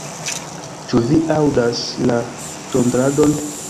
Ĉu vi aŭdas la tondradon?